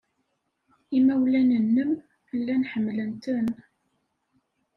Imawlan-nnem llan ḥemmlen-ten.